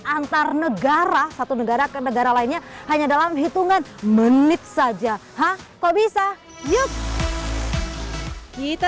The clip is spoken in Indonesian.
antar negara satu negara ke negara lainnya hanya dalam hitungan menit saja hah kok bisa yuk kita